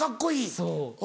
そう。